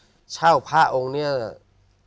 เก็บเงินซื้อพระองค์เนี่ยเก็บเงินซื้อพระองค์เนี่ย